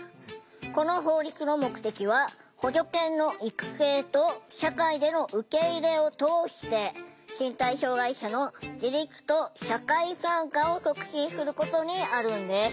この法律の目的は補助犬の育成と社会での受け入れを通して身体障害者の自立と社会参加を促進することにあるんです。